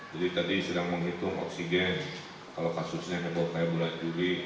jadi tadi sedang menghitung oksigen kalau kasusnya nepotai bulan juli